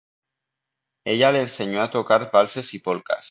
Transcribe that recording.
Ella le enseñó a tocar valses y polcas.